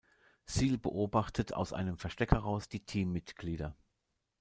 Sil beobachtet aus einem Versteck heraus die Teammitglieder.